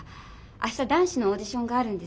明日男子のオーディションがあるんです。